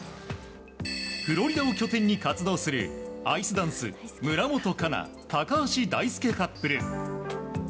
フロリダを拠点に活動するアイスダンス村元哉中、高橋大輔カップル。